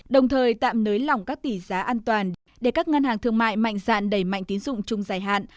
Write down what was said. đồng thời tạm nới lỏng các tỷ giá an toàn để các ngân hàng thương mại mạnh dạn đẩy mạnh tín dụng chung giải hạn